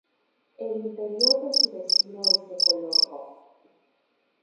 El interior de su vestido es de color rojo.